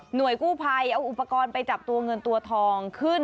กู้ภัยเอาอุปกรณ์ไปจับตัวเงินตัวทองขึ้น